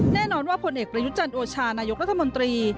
แน่นอนว่าผลเอกประยุจันทร์โอชานายกรัฐมนตรี